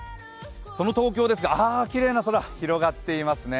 その東京ですが、きれいな空広がっていますね。